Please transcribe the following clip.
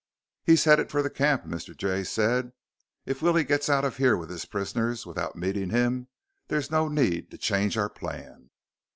"He's headed for the camp," Mr. Jay said. "If Willie gets out of here with his prisoners without meeting him, there's no need to change our plan."